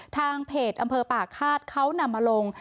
ทางเพจอำเภอป่าฆาตเขานำมาลง